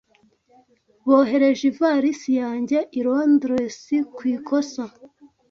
Bohereje ivalisi yanjye i Londres ku ikosa.